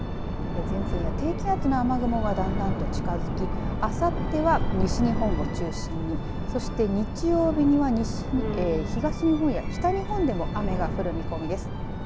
前線や低気圧の雨雲がだんだん近づきあさっては西日本を中心にそして、日曜日には東日本や北日本でも雨が降る見込みです。